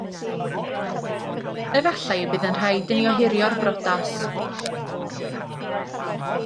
Efallai y bydd yn rhaid i ni ohirio'r briodas.